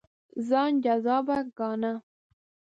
ځان جذاب ګاڼه.